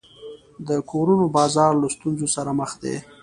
د کورونو بازار له ستونزو سره مخ دی.